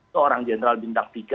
seorang general bintang tiga